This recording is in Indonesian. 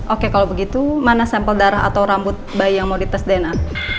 oke kalau begitu mana sampel darah atau rambut bayi yang mau dites dna